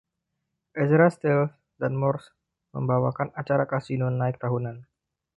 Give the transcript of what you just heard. Ezra Stiles dan Morse membawakan acara Casino Night tahunan.